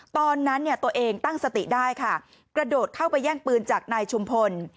ตอนนั้นเนี่ยตัวเองตั้งสติได้ค่ะกระโดดเข้าไปแย่งปืนจากนายชุมพล